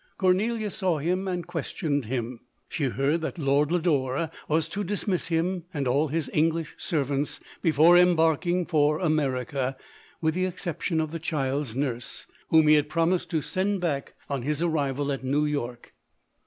Cor nelia saw him and questioned him. She heard that Lord Lodore was to dismiss him and all his English servants before embarking for Ame rica, with the exception of the child's nurse, whom he had promised to send back on his ar LODORE. 189 rival at New York.